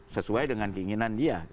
sesuai dengan keinginan dia